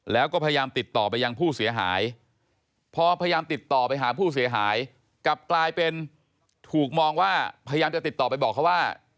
แล้วก็พยายามติดต่อไปยังผู้เสียหายพอพยายามติดต่อไปหาผู้เสียหายกลับกลายเป็นถูกมองว่าพยายามจะติดต่อไปบอกเขาว่า